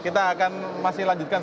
kita akan masih lanjutkan